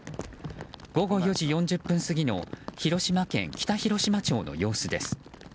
午後４時４０分過ぎの広島県北広島町の様子です。